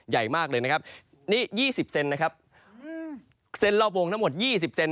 ใหญ่มากเลยนะครับนี่ยี่สิบเซนต์นะครับเซนต์รอบวงทั้งหมดยี่สิบเซนต์